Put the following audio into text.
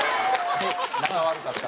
仲悪かった？